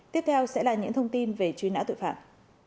tiếp theo sẽ là những thông tin về truy nã tội phạm